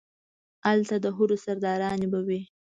الته ده حورو سرداراني به وي